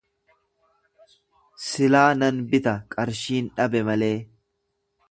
Silaa nan bita qarshiin dhabe malee.